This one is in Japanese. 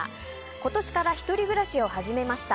今年から１人暮らしを始めました。